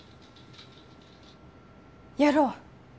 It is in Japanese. やろう